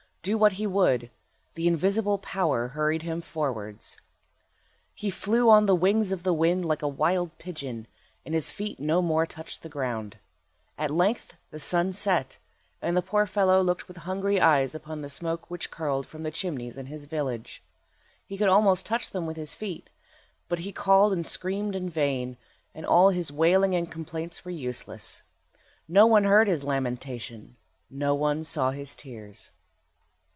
Do what he would, the invisible power hurried him forwards. He flew on the wings of the wind like a wild pigeon, and his feet no more touched the ground. At length the sun set, and the poor fellow looked with hungry eyes upon the smoke which curled up from the chimneys in his village. He could almost touch them with his feet, but he called and screamed in vain, and all his wailing and complaints were useless. No one heard his lamentation, no one saw his tears.